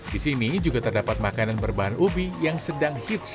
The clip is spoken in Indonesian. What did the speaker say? di sini juga terdapat makanan berbahan ubi yang sedang hits